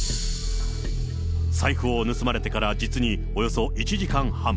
財布を盗まれてから、実におよそ１時間半。